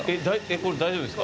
これ大丈夫ですか？